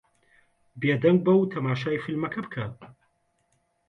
بێدەنگ بە و تەماشای فیلمەکە بکە.